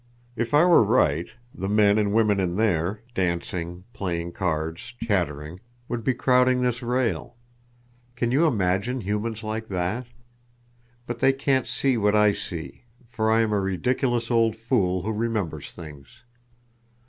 If I were right, the men and women in there—dancing, playing cards, chattering—would be crowding this rail. Can you imagine humans like that? But they can't see what I see, for I am a ridiculous old fool who remembers things.